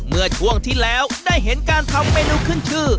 เมื่อช่วงที่แล้วได้เห็นการทำเมนูขึ้นชื่อ